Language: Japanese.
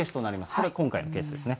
これが今回のケースですね。